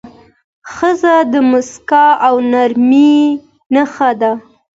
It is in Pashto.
ښځه د موسکا او نرمۍ نښه ده.